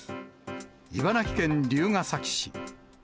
茨城県龍ケ崎市。